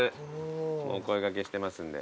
もうお声掛けしてますんで。